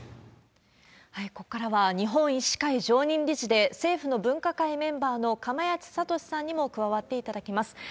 ここからは日本医師会常任理事で、政府の分科会メンバーの釜萢敏さんにも加わっていただきます。